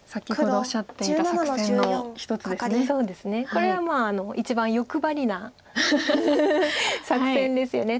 これは一番欲張りな作戦ですよね。